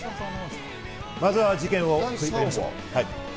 まずは事件を振り返りましょう。